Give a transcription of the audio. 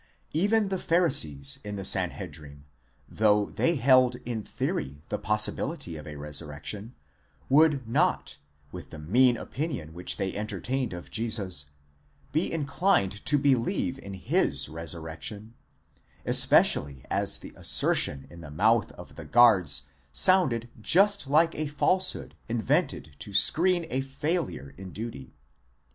Even the Pharisees in the Sanhedrim, though they held in theory the possi bility of a resurrection, would not, with the mean opinion which they enter tained of Jesus, be inclined to believe in his resurrection; especially as the assertion in the mouth of the guards sounded just like a falsehood invented to screen a failure in duty.